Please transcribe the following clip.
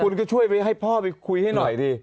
คุณก็ช่วยไปให้พ่อไปคุยให้หน่อยดิ